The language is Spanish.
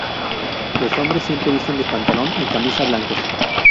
Los hombres siempre visten pantalón y camisa blancos.